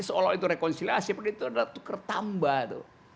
seolah itu rekonsiliasi begitu ada tukar tambah